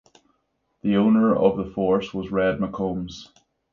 The Owner of the Force was Red McCombs.